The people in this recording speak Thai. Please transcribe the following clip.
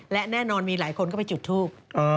และแน่นอนมีหลายคนก็ไปจุดทูบ